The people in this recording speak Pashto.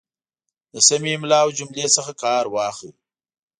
د سمې املا او جملې څخه کار واخلئ